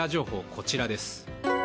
こちらです。